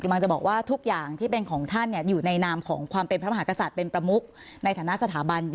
กำลังจะบอกว่าทุกอย่างที่เป็นของท่านอยู่ในนามของความเป็นพระมหากษัตริย์เป็นประมุกในฐานะสถาบัน